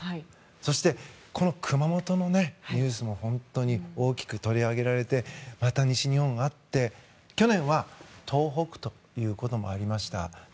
そして、熊本のニュースも本当に大きく取り上げられてまた、西日本もあって去年は東北ということもありました。